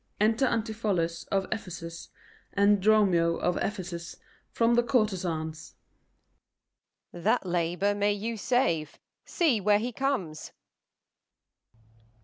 Enter ANTIPHOLUS of Ephesus and DROMIO of Ephesus from the courtezan's. Off. That labour may you save: see where he comes.